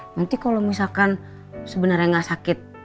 nanti kalau misalkan sebenarnya nggak sakit